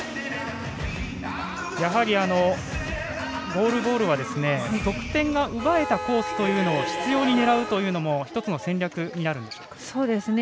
やはり、ゴールボールは得点が奪えたコースというのを執ように狙うというのも１つの戦略になるんですか？